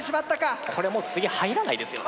これもう次入らないですよね。